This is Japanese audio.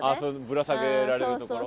ぶら下げられるところ。